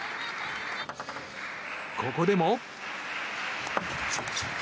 ここでも。